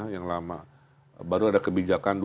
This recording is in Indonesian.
yang lama baru ada kebijakan